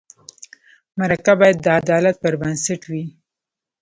مرکه باید د عدالت پر بنسټ وي.